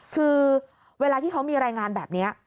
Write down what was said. คือเวลาที่เขามีรายงานแบบนี้